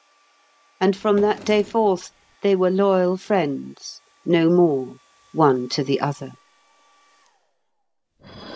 And from that day forth they were loyal friends, no more, one to the other.